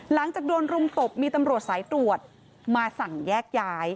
หลังจากโดนรุมตบมีตำรวจสายตรวจมาสั่งแยกย้าย